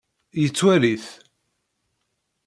Yettwali-t.